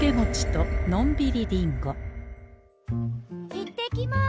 行ってきます！